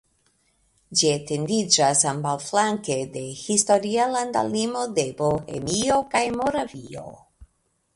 Ĝi etendiĝas ambaŭflanke de historia landa limo de Bohemio kaj Moravio.